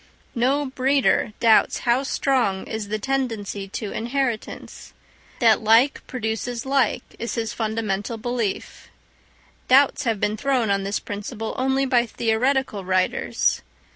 No breeder doubts how strong is the tendency to inheritance; that like produces like is his fundamental belief: doubts have been thrown on this principle only by theoretical writers.